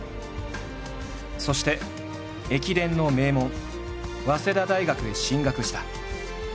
そして駅伝の名門早稲田大学へ進学した。